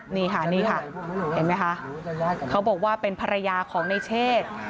นี่ค่ะนี่ค่ะเห็นไหมคะเขาบอกว่าเป็นภรรยาของในเชศ